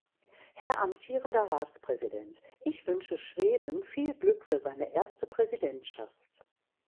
Herr amtierender Ratspräsident, ich wünsche Schweden viel Glück für seine erste Präsidentschaft.